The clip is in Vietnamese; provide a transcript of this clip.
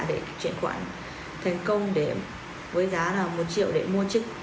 để chuyển khoản thành công với giá là một triệu để mua chức